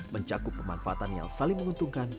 mencakup pemanfaatan yang saling menguntungkan